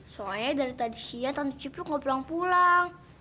soalnya dari tadi siang tante cipro enggak pulang pulang